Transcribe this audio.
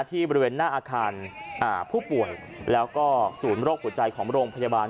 บริเวณหน้าอาคารผู้ป่วยแล้วก็ศูนย์โรคหัวใจของโรงพยาบาล